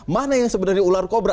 mana yang sebenarnya ular kobra